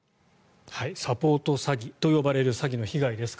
サポート詐欺と呼ばれる詐欺の被害です。